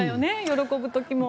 喜ぶ時も。